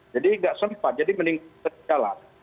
jadi tidak sempat jadi mending terjalan